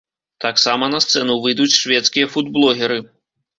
Таксама на сцэну выйдуць шведскія фудблогеры.